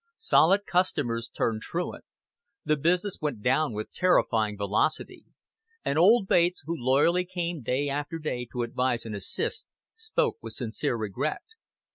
Solid customers turned truant; the business went down with terrifying velocity; and old Bates, who loyally came day after day to advise and assist, spoke with sincere regret.